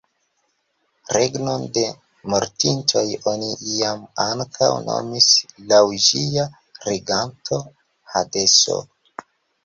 Regnon de mortintoj oni iam ankaŭ nomis laŭ ĝia reganto "hadeso".